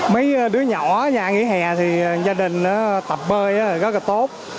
mấy đứa nhỏ nhà nghỉ hè thì gia đình tập bơi rất là tốt